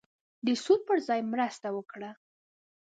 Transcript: د سود پر ځای مرسته وکړه.